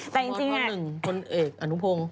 แต่จริงเนี่ยมธหนึ่งคนเอกอนุโพง